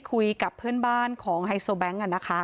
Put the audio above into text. คุยกับเพื่อนบ้านของไฮโซแบงค์